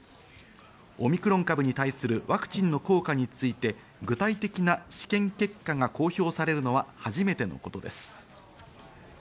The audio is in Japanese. オミクロン株に対するワクチンの効果について、具体的な試験結果が公表されるのは初めてのことです。